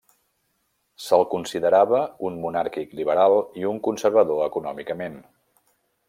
Se'l considerava un monàrquic liberal i un conservador econòmicament.